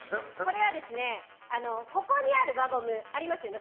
これはここにある輪ゴムありますよね。